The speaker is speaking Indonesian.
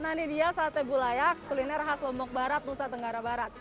nah ini dia sate bulayak kuliner khas lombok barat nusa tenggara barat